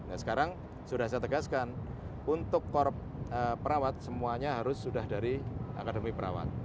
nah sekarang sudah saya tegaskan untuk korp perawat semuanya harus sudah dari akademi perawat